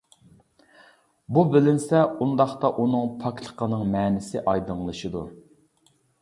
بۇ بىلىنسە، ئۇنداقتا ئۇنىڭ پاكلىقىنىڭ مەنىسى ئايدىڭلىشىدۇ.